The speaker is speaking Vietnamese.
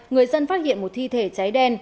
người dân phát hiện một thi thể cháy đen